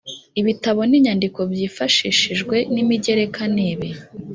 ibitabo n’inyandiko byifashishijwe nimigereka nibi